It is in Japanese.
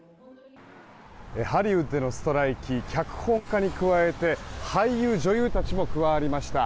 ハリウッドでのストライキ脚本家に加えて俳優・女優たちも加わりました。